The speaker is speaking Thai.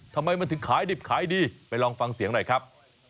ทำไมมันถึงขายดิบขายดีไปลองฟังเสียงหน่อยครับ